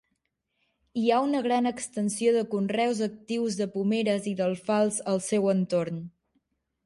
Hi ha una gran extensió de conreus actius de pomeres i d'alfals al seu entorn.